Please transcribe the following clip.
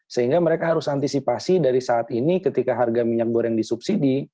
sehingga mereka harus antisipasi dari saat ini ketika harga minyak goreng disubsidi